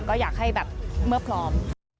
ก็อยากให้แบบเมื่อพร้อม